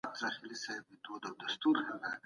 ولي پاسپورټ د سفر لپاره اړین دی؟